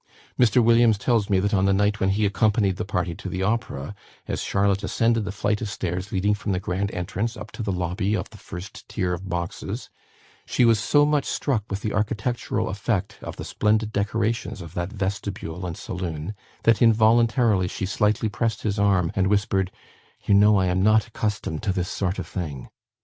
Mr. Williams tells me that on the night when he accompanied the party to the Opera, as Charlotte ascended the flight of stairs leading from the grand entrance up to the lobby of the first tier of boxes, she was so much struck with the architectural effect of the splendid decorations of that vestibule and saloon, that involuntarily she slightly pressed his arm, and whispered, "You know I am not accustomed to this sort of thing."